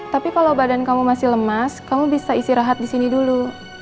tapi kalau badan kamu masih lemas kamu bisa isi rahat disini dulu